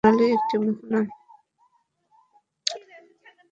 Golden Horn Bosphorus প্রণালীর একটি মোহনা।